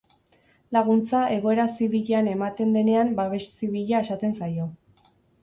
Laguntza egoera zibilean ematen denean babes zibila esaten zaio.